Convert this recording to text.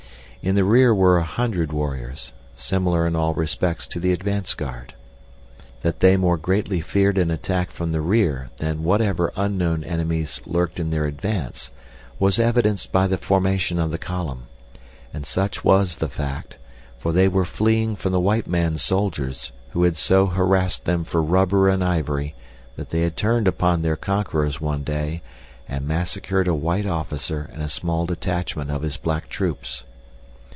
In the rear were a hundred warriors, similar in all respects to the advance guard. That they more greatly feared an attack from the rear than whatever unknown enemies lurked in their advance was evidenced by the formation of the column; and such was the fact, for they were fleeing from the white man's soldiers who had so harassed them for rubber and ivory that they had turned upon their conquerors one day and massacred a white officer and a small detachment of his black troops.